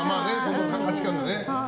価値観がね。